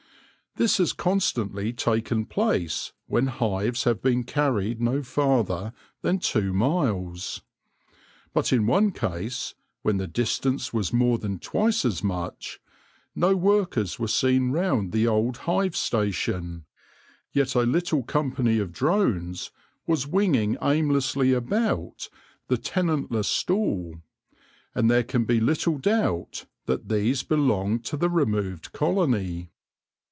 This has constantly taken place when hives have been carried no farther than two miles. But in one case, when the distance was more than twice as much, no workers were seen round the old hive station, yet a little company of drones was winging aimlessly about the tenantless stool, and there can be little doubt that these belonged to the removed colony.